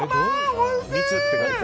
おいしい！